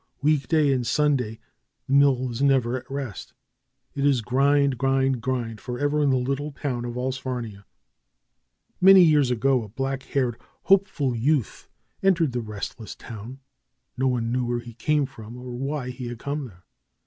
Week day and Sunday the mill is never at rest. It is grind, grind, grind forever in the little town of Allsfarnia. Many years ago a black haired, hopeful youth en tered the restless town. No one knew where he came from or why he had come there.